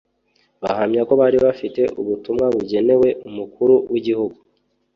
bahamya ko bari bafite ubutumwa bugenewe umukuru w’igihugu